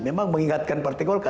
memang mengingatkan partai golkar